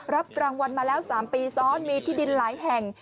รับรางวัลมาแล้ว๓ปีซ้อนมีที่ดินหลายแห่ง